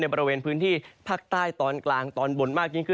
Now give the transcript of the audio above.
บริเวณพื้นที่ภาคใต้ตอนกลางตอนบนมากยิ่งขึ้น